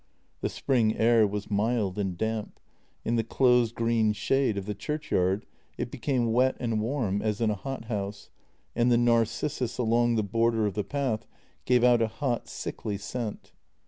The spring air was mild and damp; in the closed green shade of the churchyard it became wet and warm as in a hothouse, and the narcissus along the border of the path gave out a hot, sickly scent.